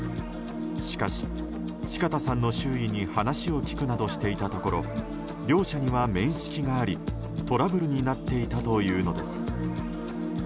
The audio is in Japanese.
しかし、四方さんの周囲に話を聞くなどしていたところ両者には面識があり、トラブルになっていたというのです。